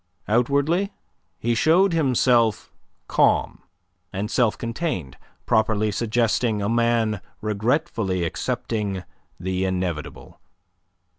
Outwardly he showed himself calm and self contained, properly suggesting a man regretfully accepting the inevitable.